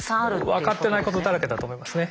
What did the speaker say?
分かっていないことだらけだと思いますね。